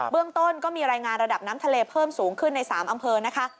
เรื่องต้นก็มีรายงานระดับน้ำทะเลเพิ่มสูงขึ้นใน๓อำเภอนะคะ